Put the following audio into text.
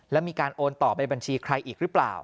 แล้วมีการโอนต่อไปบัญชีใครอีกหรือเปล่า